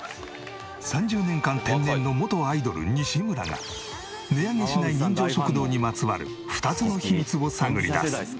３０年間天然の元アイドル西村が値上げしない人情食堂にまつわる２つの秘密を探り出す。